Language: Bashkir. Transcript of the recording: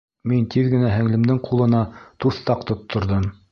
Мин тиҙ генә һеңлемдең ҡулына туҫтаҡ тотторҙом.